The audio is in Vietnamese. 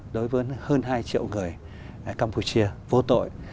đối với hơn hai triệu người campuchia vô tội